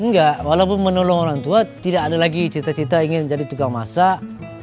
enggak walaupun menolong orang tua tidak ada lagi cita cita ingin jadi tukang masak